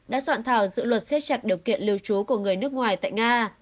đã soạn thảo dự luật xếp chặt điều kiện lưu trú của người nước ngoài tại nga